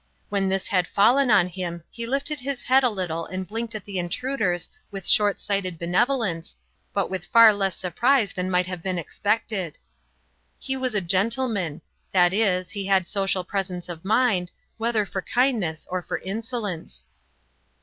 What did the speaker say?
When this had fallen on him he lifted his head a little and blinked at the intruders with short sighted benevolence, but with far less surprise than might have been expected. He was a gentleman; that is, he had social presence of mind, whether for kindness or for insolence.